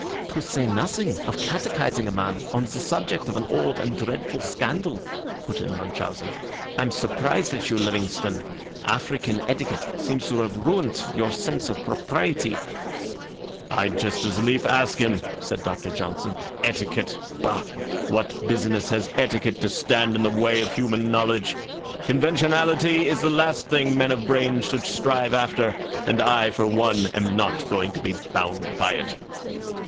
'" "To say nothing of catechising a man on the subject of an old and dreadful scandal," put in Munchausen. "I'm surprised at you, Livingstone. African etiquette seems to have ruined your sense of propriety." "I'd just as lief ask him," said Doctor Johnson. "Etiquette? Bah! What business has etiquette to stand in the way of human knowledge? Conventionality is the last thing men of brains should strive after, and I, for one, am not going to be bound by it."